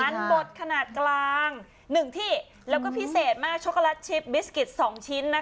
มันบดขนาดกลาง๑ที่แล้วก็พิเศษมากช็อกโกแลตชิปบิสกิต๒ชิ้นนะคะ